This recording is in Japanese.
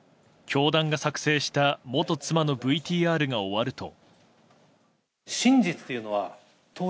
教団が作成した元妻のＶＴＲが終わると。